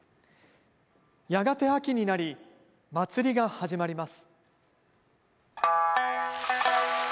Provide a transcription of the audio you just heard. やがて秋になり祭りが始まります。